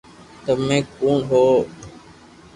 تمي ڪوڻ ھون